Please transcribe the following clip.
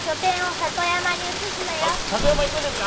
里山行くんですか？